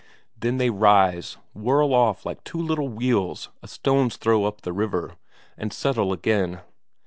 Then they rise, whirl off like two little wheels a stone's throw up the river, and settle again.